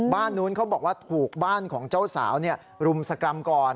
บ้านนู้นเขาบอกว่าถูกบ้านของเจ้าสาวรุมสกรรมก่อน